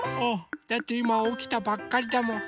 だっていまおきたばっかりだもん。